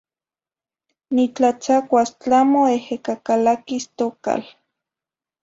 Nitlatzacuas tlamo ehecacalaquis tocal.